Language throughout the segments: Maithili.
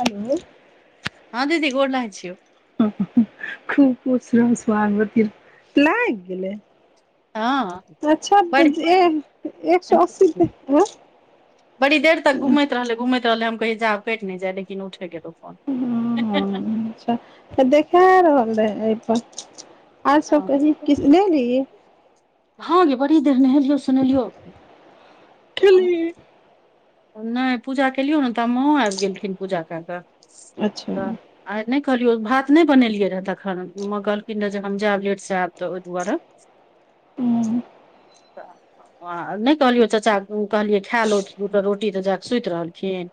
हेलो। हँ दीदी गोर लागै छी। खूब खुश रहू सुहागवती ह लागि गेलै। हँ। अच्छऽ त बड़ जे एक सौ अस्सी रूपे किलो। बड़ी देर तक घुमैत रहलय, घुमैत रहलय हम कहियै जा आब कटि नहि जाय लेकिन उठे गेलौ। फोन हँऽ अछऽ त देखा रहल रहै अहि पर। आर सभ कही किछ ले लियै। हँ गे बड़ी देर नेहेलियौ सोनेलियौ। खिल्ली। नहि पूजा केलियौ ने ता माँओ आबि गेलखिन पूजा कय के। अच्छा तऽ ह आइ नहि कहलियौ भात नहि बनेलियै रहै तखन माँ कहलखिन रहे हम जायब लेट स आयब तऽ ओहि दुआरे। हूँ। तोरा नहि कहलियौ चचाक कहलियै खाय लौथ। रोटी तऽ जाकऽ सुति रहलखिन।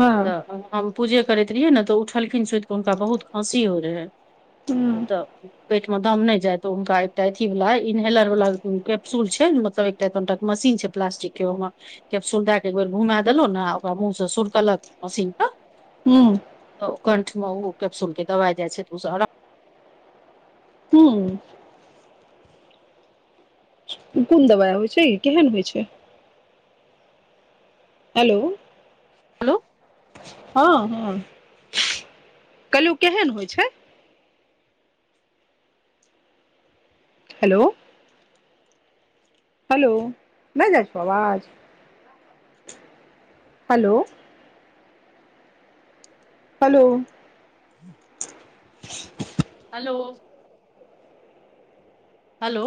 हँ। तऽ हम पूजे करैत रहियै ने तऽ ओ उठलखिन सुति कऽ हुनका बहुत खाँसी होय रहै। ह ओ तऽ पेट मे दम नय जाय तऽ ओ हुनका एकटा अथी वला इनहेलर वाला कैप्सूल छै ने मतलव एखन तक मशीन छै प्लास्टिक के ओइमे केप्सुल दैक एक बेर घुमा देलौं ने आ ओकरा मुँह से सुरकलक मशीन तऽ हूँ तऽ कंठ मे ओ कैप्सूल के दवाइ जाय छै तऽ ओहि स आरा हूँ कोन दबाइ होइ छै यै केहन होइ छै हेलो हेलो हँ हँ कलि उ केहन होइ छै हेलो हेलो नय जाय छौ आवाज hello hello hello hello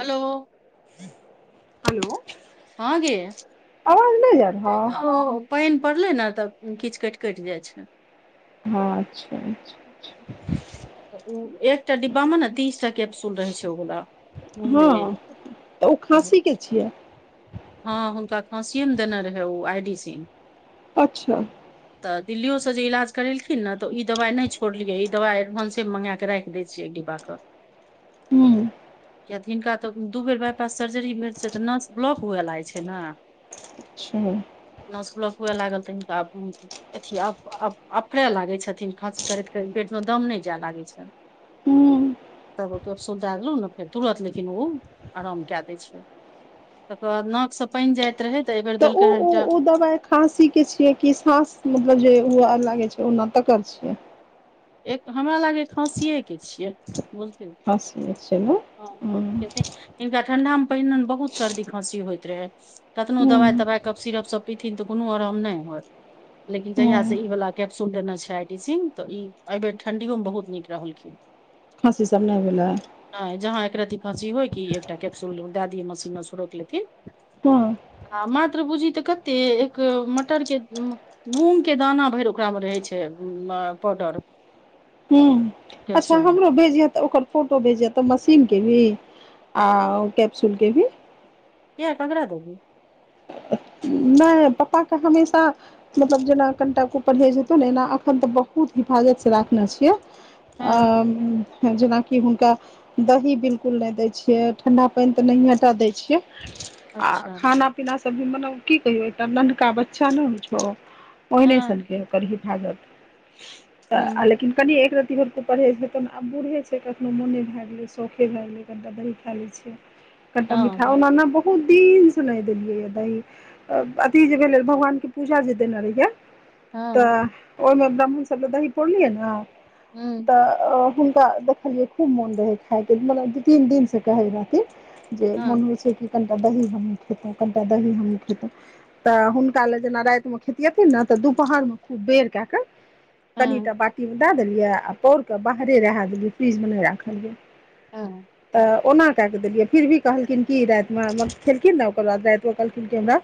hello hello हाँ गे रहौ ओ पानि पड़लै ने तऽ किछु कटि कटि जाइ छै हँ अच्छ अच्छ। उ एकटा डिब्बा मे न तीसटा कैप्सूल रहै छै उ वला उ अच्छा ले हँ [unintelligible] तऽ उ खाँसी के छियै हँ हुनका खाँसिये मे देने रहै ओ आइ डी सिंह। अच्छा तऽ दिल्लियो से जे इलाज करेलखिन न तऽ ई दवाइ नय छोड़लियै ई दवाइ एडभांसे मे मंगा के राखि दै छियै एक डिब्बा कऽ हूँ किये तऽ हिनका तऽ दू बेर बाइ पास सर्जरी भेल छै तऽ नस ब्लॉक हुए लागै छै ने अच्छ नस ब्लॉक हुए लागल तऽ हिनका आब अथी अप अप अफरै लागे छथिन खाँसी करैत करैत पेट मे दम नय जै लागै छनि। हूँ तब उ केप्सुल दै देलू ने फेर तुरत लेकिन ओ आराम कए दै छै। तकर बाद नाक से पानि जाइत रहै तऽ एहि बेर देलकै हन टा दवाई खाँसी के छियै कि साँस मतलब जे हुए लागै छै ओना तकर छियै। एक हमरा लागैये खाँसीेये के छियै। खाँसीये के छियै ना हँ हिनका ठंडा मे पहिने बहुत सर्दी खाँसी होइत रहै कतनो दवाइ हूँ तवाइ कफसिरप सब पिथिन तऽ कोनो आराम नहि होय लेकिन जहिया से हूँ ई वाला कैप्सूल देने छै आइ डी सिंह तऽ ई एहि बेेर ठंडियो मे बहुत नीक रहलखिन। खाँसी सब नय भेलै। नय जहाँ एकरती खाँसी होय कि एकटा कैप्सूल दए दियै मशीन मे सुरैक लेथिन। हँ आ मात्र बूझहि तऽ कते एक मटर के उंम्म मूँग के दाना भरि ओकरा मे रहै छै म पाउडर। ह अच्छा कैप्सूल मे हमरो भेजिय तऽ ओकर। फोटो भेजिए तऽ मशीन के भी आ ओ कैप्सूल के भी। किया ककरा दबो। नहि पप्पा क हमेशा। मतलब जेना कनिटा कु परहेज हेतौ ने एना अखन ते बहुत हिफाजत से राखने छिये। हँ आ जेना कि। कि हुनका दही बिलकुल नहि दै छियै ठण्डा पानि तऽ नहिए टा दै छियै। आ अच्छा खाना पीना सभ भी मने की कहियो एकटा नन्हका बच्चा ने होइ छौ। ओ ओहिने सन हँ के ओकर हिफाजत त हँ लेकिन कनि एक रत्ती भर के। परहेज छै तऽ आब बुढ़े छै कखनो मोने भए गेलै शौखे भए गेलै कनिटा दही खा लै छियै। कनिटा मिठा हँ ओना ने बहुत दीन से नय देयलिये या दही। अथी जे भेलै भगवान के पूजा जे देने रहियए तऽ। हँ ओहिमे ब्राह्मण सभ के दही पौरलियै ने। हू। तऽ हुनका देखलियै खूब मोन रहै खाय के मतलब दू तीन दिन सँ कहै रहथिन। जे हँ मोन होइ छै कि कनीटा दही हमहँ खैतहुँ कनिटा दही हमूँहू खेतहुँ। तऽ हुनका लए जेना रातिमे खेतियथिन ने तऽ दुपहर मे खूब बेर कए कऽ हँ कनिटा बाटी। दए देलियै आ पौर केऽ बाहरे रहा देलियै फ्रिजमे नहि राखलियै हँ त। ओना कए कऽ देलियै फिर भी कहलखिन कि रातिमे म खेलखिन ने ओकर बाद रातिमे कहलखिन कि हमरा।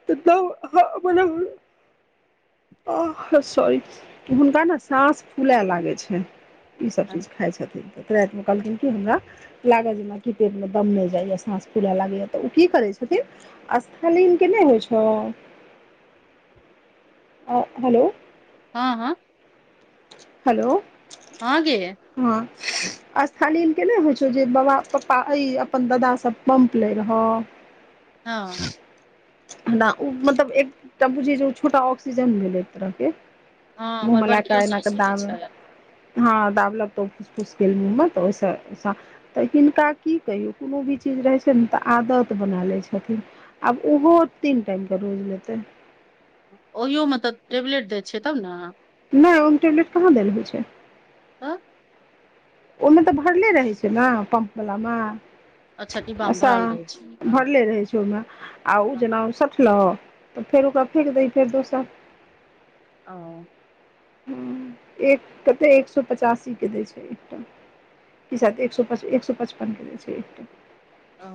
[unintelligible] आ हा सॉरी हुनका ने साँस फूलाए लागेन छै। ई सभ चीज खाइ छथिन तऽ रातिमे कहलखिन कि हमरा। लागत जेनाकि पेट मे दम नहि जाइया साँस फूले लागैया तऽ ओ की करै छथिन आ। स् केने होइ छै हेलो। हँ हँ। हेलो हा गे। हँ अस्थालीन के नहि होइ छौ जे बाबा पप्पा ए अपन दादा सभ। पम्पलर ह। हँ। न ऊ मतलब एकता बुझी छोटा ऑक्सीजन भेलै एक तरह के। हँ हमर मूँहम ल क बड़कियो एना क सासुरे दाम। छै हँ दाब लागतौ फूसफुसके म मत ओस। तऽ हिनका की कहियौ कोनो भी चीज रहैत छै ने तऽ आदत बना लैत छथिन। आब ओहो तीन टाइम क रोज लेतै। ओहियो मे तऽ टेबलेट दय छै तब ने। नहि ओ टेबलेट कहाँ देल होइ छै। आ। ओहिमे तऽ भरले रहै छै ने पम्प वलामे। अच्छा डिब्बामे असा भरल रहै छै आगाँ। भरले रहै छै। आ ओ जेना सटलह त फेर ओकरा फेक दह फेर दोसर। ओ। ह एक कते एक सए पचासी के दै छै एकटाम। क सा एक स, एक सए पचपन के दे छै एकटा। ओ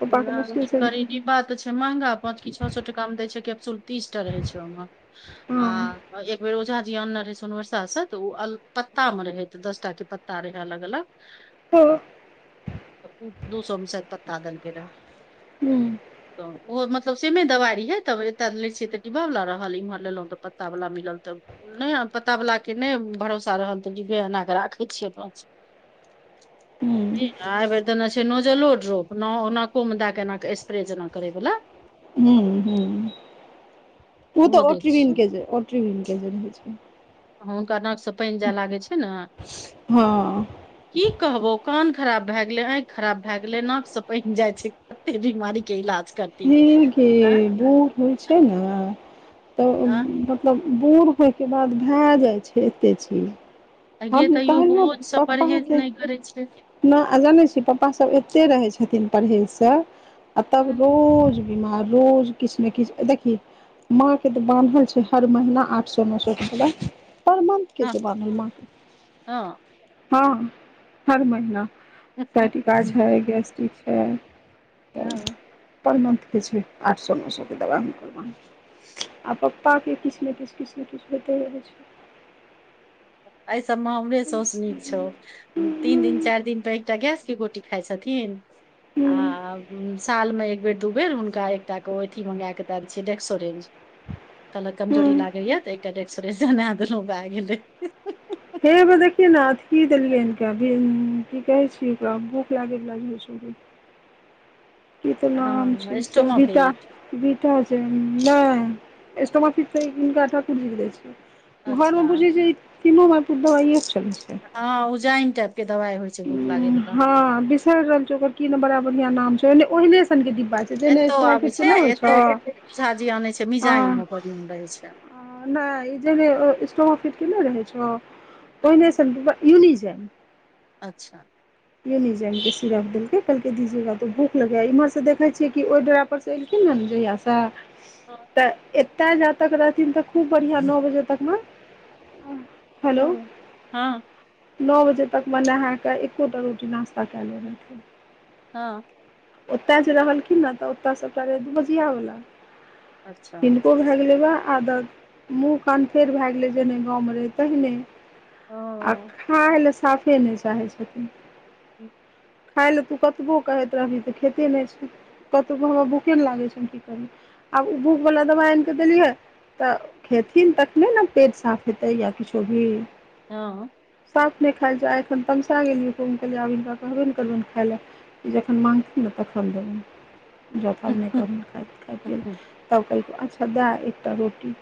पप्पाके मुश्किलसँ गरीबी बात छै महंगा प छओ सए टका मे दै छै कैप्सूल। तीसटा रहै छै ओहिमे आ हँ एक बेर ओझा जीनने रहे सोनबरसा से तऽ ओ अल पत्ता मे रहे दसटा के पत्ता रहे अलग अलग ह ह दू सो मे सैत पत्ता देलकै रहए हूँ तऽ ओहो मतलब सेमे दवाइ रहिये तब एतय लै छियै तऽ डिबाव लला रहल इम्हर लेलहुँ तऽ प पता बाला मिलल तऽ नहि पता वला के नहि भरोसा रहल तऽ डिबे एना के राखे छियै अप स [unintelligible] [inaudible] ह ई एयेभैर देने छै नोजलोड्रोप न नाक को मे दए के एना स्प्रे जेना करे वाला हूँ हूँ ओ ओहो तऽ दै ओट्रवन छियै केज ओट्रवन केजी रह छै हु हुनका नाकसँ पानि जाय लागै छै ने हँ की कहबो कान खराब भए गेलै, आँखि खराब भए गेलै, नाकसँ पाइन जाइ छै तेरि मारी के इलाज करथिन ह आँ बूढ़ होइ छै ने आँ तऽ [unintelligible] बूढ़ होइके बाद भए जाइ छै एतेक चीज आ गे हम तैयो कहने भोज से पप्पा परहेज के नहि करै छै न आ जाने छी पापा सब एते रहे छथिन परढ़ेज से, आ तब हँ रोज बीमार रोज किछु ने किछु देखि माँ के तऽ बान्हल छै हर महीना आठ सो न सौ रूपया परमंथ के हँ छै बानहल माँ के हँ हर महिना कटिका छै, गेस्टिक छै तऽ हँ परमंथ के छै आठ सौ नसौ के दबा हुनकर माँ के आ पप्पा के किछु ने किछु, किछु ने किछु होइते रहै छै एहि सब मे हमरे ह सौस नीक छौ। तीन दिन चारि दिन पर एकटा गेस गोटी खाइ छथिन आ ह साल मे एक एक बेर दू बेर हुनका एकटा को एथी मंगााक द दै छिय डेक्सोरेंज कहलक कमजोरी लागैया तऽ एकटा सोरे सुनेदलौ भए गेलै हे ब देखी न अथि की देलियै इनकाभी की कहै छी ओरा भूख लागे वाला होता छेलै ई त नाम हँ छैय स्टोमा सविता पेट बीटा जयम नै स्टोमाफिट दही हिनका ठाकुर जी के दैत्य छीयैन घरमे अच्छा बुझै छैय तीनू मैपुत दवाइ पर चलै छै त हँ उजाइम टाइप के दवाइ होइ छैय भूख लागे बला फेर रानचो कि नामंब कि बरिया ओहिहने सन के डिबा छै जेहने एतो आबे स्टोमाफिट के छैय नहि होइ एतो छौ झाजी आनै छैय मिजा ह मे बन रहै छै नाई जैसे स्टोमाफिट केने रहे छ हँ, ओहिने सन डिब्बा यूनिज़ाम अच्छा यूनिजाइम के सिरप देलके कहलकई दीजेगा तो भूख लगेा इमहर से देखे छिय कि ओय डेरा पर से त एलखिन जयाश त हँ तऽ एतय जा तक रहथिन तऽ खूब बढ़िआं नओ बजे तक मे हेलो हँ नओ बजे तक मने नहाँके एको टा रोटी नास्ता कए ले रहथिन हँ। ओतय जे रहलखिन ने तऽ ओतयसँटा रहे दू बजआवला। अच्छा किनको भए गेलै बा आदत। मुँह कान फेर भए गेलै जेने गाँवमे रहै तहने। ओ आ खाय लए साफे नहि चाहै छथिन। ह। खाय लए तू कतबो कहैत रहही तऽ खेते नहि छी कतो हमरा भुखे नहि लागैत छैय की करी। आब ओ भुख वाला दबा आनिकऽ देली है। तऽ खेथिन तखने ने पेट साफ हेतै या किछो भी। हँ। साफ नहि खायल चाहे छन तमसा गेलियूम ओहे पर। कहबे नहि करबईन खाइलै जखन माँगथिन ने तखन देबन। जथ नहि क खा तब कह अच्छा दए एकटा रोटी।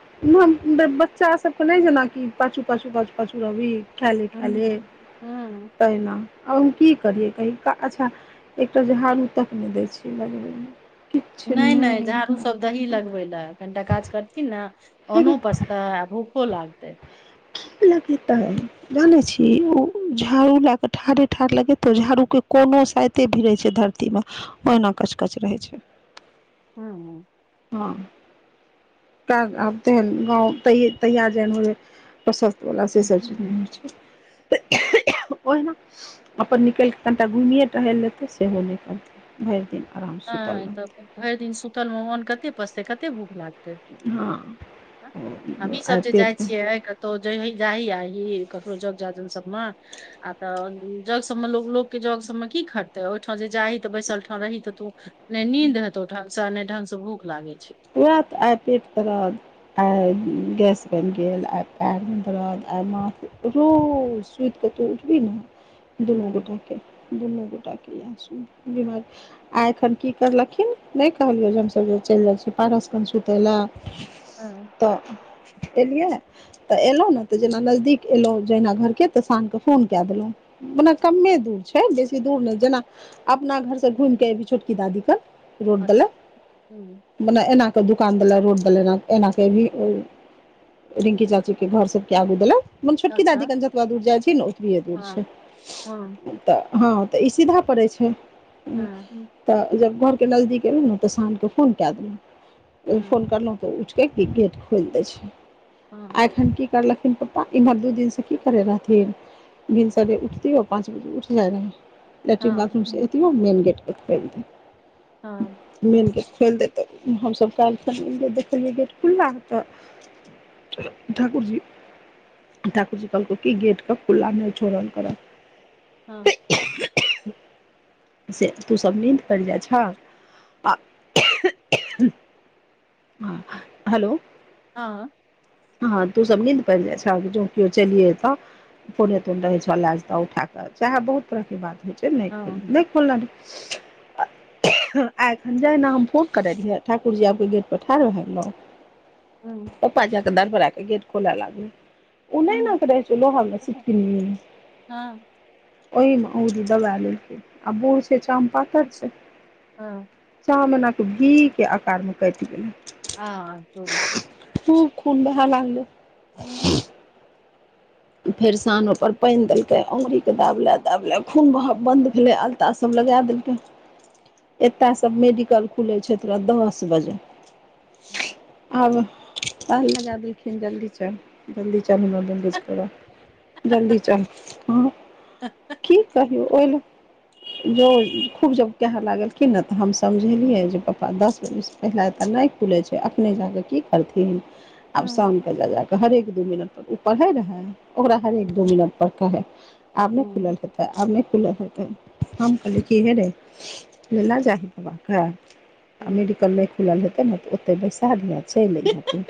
बच्चा सभके नहि जेनाकि पाछू पाछू पाछू पाछू रहबी। खैले खैले हँ ताहि ना। आ हम की करियै कही अच्छा एकटा झाड़ू तक नहि दै छियै लगबैमे। नहि नहि झाड़ू सभ। दही लगबे ले कनिटा काज करथिन ने हेगे अन्नो पचतै आ भूखो लागतै। लगता है। जाने छी ओ झाड़ू लए क ठाढ़े ठाढ़ लगेतो झाड़ू के कोनो साइ। कते भिड़ै छै धरतीमे ओहिना कचकच रहै छैय। हँ। हँ आब तेन गव तहिया जेहन हो। प्रशस्तवला से सभ चीज नहि होइ छैय। ओहिना अपन निकइल कऽ कनिटा घुमिए टहल लए लेतै सेहो नई हेतय। भरि दिन आराम। सुतल नई त रहतै भरि दिन सुतल म अन कते पसतै कते भूख लागतै। हँ हमही आइ सभ जे जाइ पेट छियै क। तो जाही आ ककरो जग जा जन सभ मे आ तऽ जग सभमे ल लोकके जग सबमे की खटते ओहिठाम जे जाही तऽ बैसल ठं रही तऽ तू। नहिीन्द हेतौ ढंग से ने ढंग से भूख लागे। ओह त आय पेट दरद। आइ गैस बनि गेल आइ पैरमे दरद आइ माथ। रोज सुईत क तू उठबी ने दुनू हम्म गोटा के दुनू गोटा के। यह् छौ बीमारी आ एखन की करलखिन नय कहलियौ जे हमसभ जे चलि जाइ छीयय। पारसके सुतै लए हँ तऽ एलियै। तऽ एलहु ने तऽ जेना नजदीक एलहु जहिना घरके। तऽ सझके फोन कए देलहुँ मना कमे दूर छै बेसी दूर नहि जेना। अपना घरसँ घुइमकऽ एभी छोटकी दादी कन। अच्छा। मने एना के दुकान दले रोड दले ए एना के एना के एभी। रिंकी चाची के घर सभ के आगू दलय। मने छोटकी दादी कन जतबे दूर जाइ छी ने ओतबीए दूर छय। तऽ हँ तऽ ई सीधा पड़ै छै। तऽ जब घरके नजदीक एलौं ने तऽ शान के फोन कए देलौ त फोन करलौ त। तऽ उठिक क गेट खोलि दै छै। हँ। तखन की करलखिन पप्पा इम्हर दू दिन से की करय रहथिन। भिनसरे उठतीयौ पाँच बजे उठ जाय रहय। लैट्रिन बाथरूमसँ एतीयौ मेन गेट क खोइल दय। हँ। मेन गेट खोइल दैतऽ हमसभ काल्हि खन एलियय देखलियै गेट खुल्ला तऽ। ठाकुर जी। ठाकुर जी कहलकौ की गेट क खुल्ला नय छोड़ल करा। हँ। से तू सभ नींद पैर जाय छहक। ह हेलो। हँ। हँ तू सभ नींन्द पैड़ जाय छहक जौं कियो चलिये एता। फोने तोन रहय छै लाय जेता उठा के चाहे बहुत तरह के बात होइ छै। ते नय खोलने रहय आय खन जैहना हम फोन। करय रिहय ठाकुर जी आइब के गेट पर ठाढ़ भय गेलौ। पप्पा जै के। धरफरै के गेट खोलै लागलौ। ऊ नै एना क रहय छौ लोहा वला छिटकिनि। ओहि मे अंगूरी दबा गेलौ आ बुूढ़ छै चाम पातर छै। हँ। चाम एना क भी के आकार में कैट गेलय। आ तोरी। खूब खून बहय लागलौ। ओ। फेर साँन ओय पर पैन देलकय औंगरी के दाबले दाबले खून बहब बंद। भेलय अलता सभ लगा देलकैय। एतय सभ मेडिकल खुलय छय तोरा दस बजे। आब ताल लगा देलखिन जल्दी चल जल्दी चल हमरो लेलाय। ते जल्दी चल हम की कहियौ ओहि ल। जौं खूब जब कहय लागलखिन ने तऽ हम समझेलियै जे पप्पा दस बजेसँ। पहिला ए तऽ नय खुलै छै अखने जाके कि करथिन। आब शानके जा जाकऽ हरेक दू मिनट पर ओ पढ़य रहय। ओकरा ह एक दो मिनट पर कहय आब नय खुलल हेतय। तऽ आब नय खुलल ह तऽ हम कहलीय की हे रे। लेला जाही बबा के। आ मेडिकल नहि खुलल हेतै ने तऽ ओतेय बैसाऽ दिहें आ चलि अहिए तू।